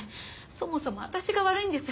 そもそも私が悪いんです。